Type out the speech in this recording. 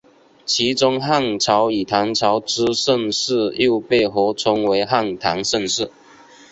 其中汉朝与唐朝之盛世又被合称为汉唐盛世。